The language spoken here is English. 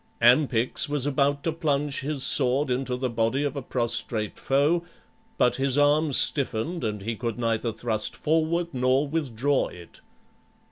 Ampyx was about to plunge his sword into the body of a prostrate foe, but his arm stiffened and he could neither thrust forward nor withdraw it.